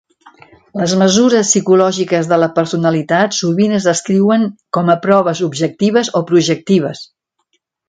Les mesures psicològiques de la personalitat sovint es descriuen com a proves objectives o projectives.